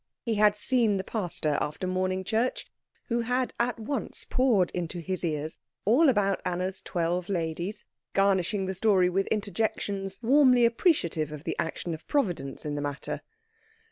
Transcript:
He had seen the pastor after morning church, who had at once poured into his ears all about Anna's twelve ladies, garnishing the story with interjections warmly appreciative of the action of Providence in the matter.